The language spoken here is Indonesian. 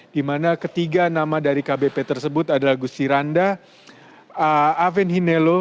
di mana ketiga nama dari kbp tersebut adalah gusti randa aven hinelo